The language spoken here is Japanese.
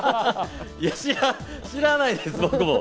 知らないです、僕も。